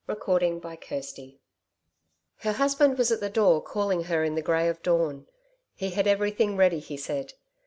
CHAPTER 5 Her husband was at her door calling her in the grey of dawn. He had everything ready he said.